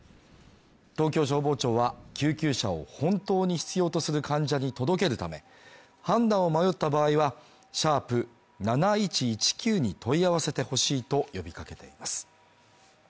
東京消防庁は、救急車を、本当に必要とする患者に届けるため、判断を迷った場合は、♯７１１９に問い合わせてほしいと呼びかけています。